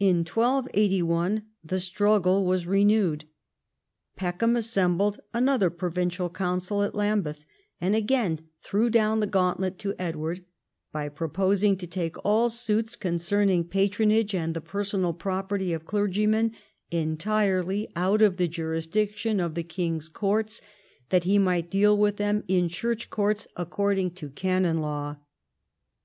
In 1281 the struggle was renewed. Peckham assembled another provincial council at Lambeth, and again threw down the gauntlet to Edward, by proposing to take all suits concerning patronage and the personal property of clergymen entirely out of the jurisdiction of the king's courts, that he might deal with them in church courts according to canon law.